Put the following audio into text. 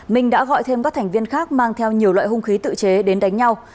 minh đã gọi thêm các thành viên khác mang theo nhiều loại hung khí tự chế đến đánh nhau